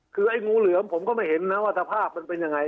คือไอ้งูเหลือมผมก็ไม่เห็นนะว่าสภาพมันเป็นยังไง